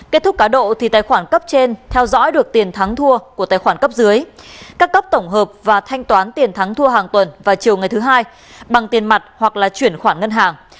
kết thúc cá độ thì tài khoản cấp trên theo dõi được tiền thắng thua của tài khoản cấp dưới các cấp tổng hợp và thanh toán tiền thắng thua hàng tuần và chiều ngày thứ hai bằng tiền mặt hoặc là chuyển khoản ngân hàng